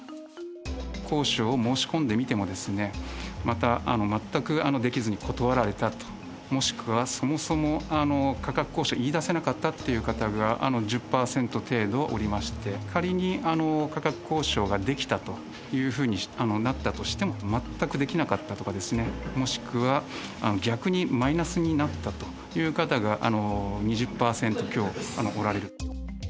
交渉を申し込んでみても、また全くできずに断られたと、もしくは、そもそも価格交渉を言い出せなかったという方が１０％程度おりまして、仮に価格交渉ができたというふうになったとしても、全くできなかったとかですね、もしくは、逆にマイナスになったという方が２０％強おられる。